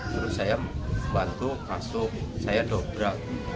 terus saya bantu masuk saya dobrak